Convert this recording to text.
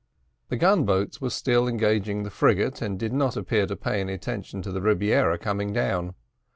The gun boats were still engaging the frigate, and did not appear to pay any attention to the Rebiera coming down.